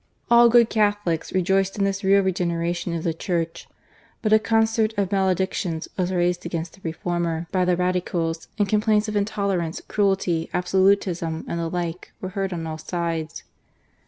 All good Catholics rejoiced in this real regenera tion of the Church, but a concert of maledictions was raised against the reformer by the Radicals, and complaints of intolerance, cruelty, absolutism, and the like, were heard on all sides.